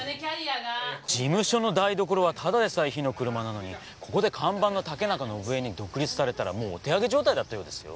事務所の台所はただでさえ火の車なのにここで看板の竹中伸枝に独立されたらもうお手上げ状態だったようですよ。